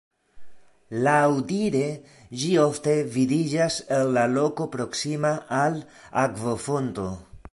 Laŭdire ĝi ofte vidiĝas en la loko proksima al akvofonto.